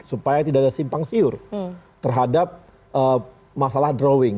supaya tidak ada simpang siur terhadap masalah drawing